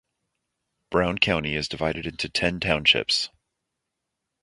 Brown County is divided into ten townships.